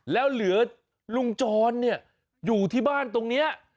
แล้วเหลือลุงจรเนี่ยอยู่ที่บ้านตรงนี้